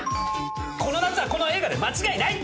この夏はこの映画で間違いない！